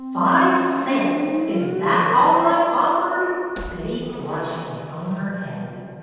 Five cents! Is that all I'm offered?" Betty blushed and hung her head.